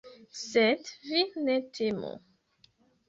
Sed vi ne timu!